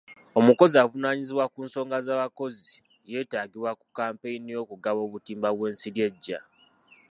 Omukozi avunaanyizibwa ku nsonga z'abakozi yeetaagibwa ku kampeyini y'okugaba obutimba bw'ensiri ejja.